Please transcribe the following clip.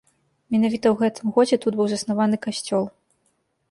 Менавіта ў гэтым годзе тут быў заснаваны касцёл.